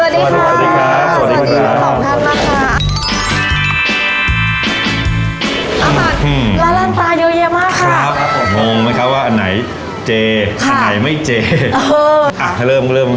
สวัสดีค่ะสวัสดีค่ะสวัสดีค่ะสวัสดีค่ะสวัสดีค่ะสวัสดีค่ะ